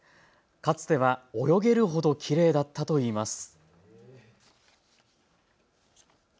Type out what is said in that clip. かつては泳げるほどきれいだったといいます。